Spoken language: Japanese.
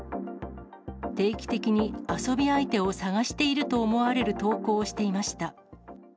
定期的に遊び相手を探していると思われる投稿をしていました。